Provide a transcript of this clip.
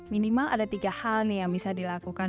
minimal ada tiga hal nih yang bisa dilakukan